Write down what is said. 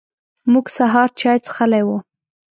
موږ سهار چای څښلی و.